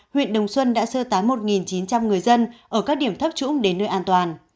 huyện đồng xuân đã sơ tán một chín trăm linh người dân ở các điểm thấp trũng đến nơi an toàn